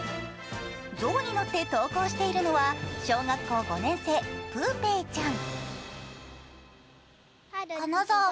象に乗って登校しているのは小学校５年生、プーペーちゃん。